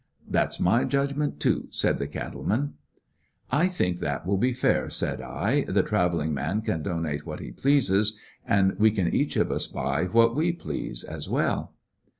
"That 's my judgment, too," said the cattle man. 179 ^ecoUections of a "I think that will be fair," said I. "The travelling man can donate what he pleases, and we can each of ns buy what we please, as well."